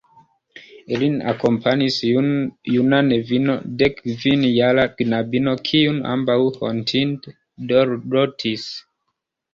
Ilin akompanis juna nevino, dekkvinjara knabino, kiun ambaŭ hontinde dorlotis.